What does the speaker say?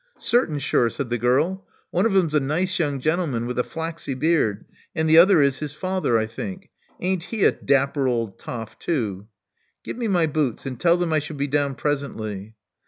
Certain sure," said the girl. One of 'em's a nice young gentleman with a flaxy beard; and the other is his father, I think. Ain't he a dapper old toff, too!" Give me my boots; and tell them I shall be down presently."